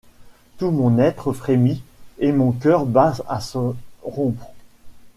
Tout mon être frémit, et mon cœur bat à se rompre!